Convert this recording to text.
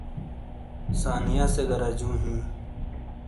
ثانیہ سے گہ رجوں ہی۔